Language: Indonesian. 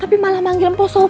tapi malah manggil mpok sopi